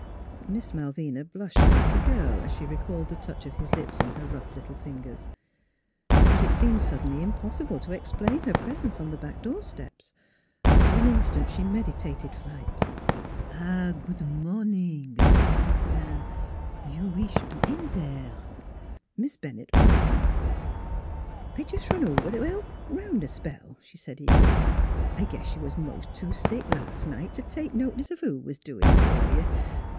Miss Malvina blushed like a girl as she recalled the touch of his lips on her rough little fingers. But it seemed suddenly impossible to explain her presence on the back door steps. For an instant she meditated flight. " Ah 1 Goo' morning," said the man. " You wish er to entaire? " Miss Bennett brightened. " I jes' run over t' t' help 'round a spell," she said eagerly. " I guess you was mos' too sick las' night t' take notice who 't was doin' f'r you.